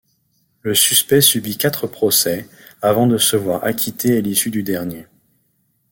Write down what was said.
Le suspect subit quatre procès, avant de se voir acquitté à l'issue du dernier.